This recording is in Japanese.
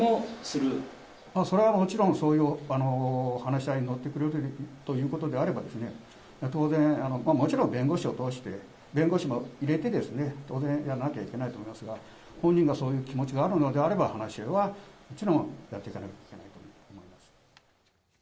それはもちろん、そういう話し合いに乗ってくれるということであれば、当然、もちろん弁護士を通して、弁護士も入れてですね、当然やらなきゃいけないと思いますが、本人がそういう気持ちがあるのであれば、話し合いはもちろんやっていかなきゃいけないと思います。